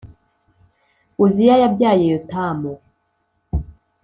Uziya yabyaye Yotamu,